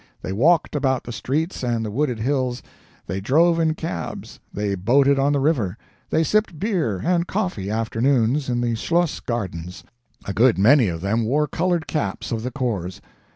They walked about the streets and the wooded hills, they drove in cabs, they boated on the river, they sipped beer and coffee, afternoons, in the Schloss gardens. A good many of them wore colored caps of the corps.